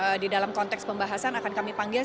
nanti di dalam konteks pembahasan akan kami panggil